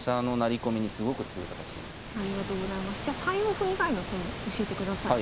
じゃ３四歩以外の手も教えてください。